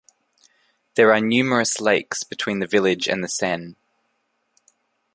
There are numerous lakes between the village and the Seine.